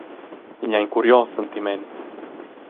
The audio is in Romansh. Igl ei in curios sentiment.